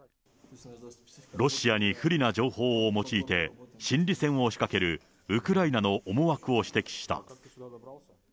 ロシアに不利な情報を用いて、心理戦を仕掛けるウクライナの思惑を指摘した。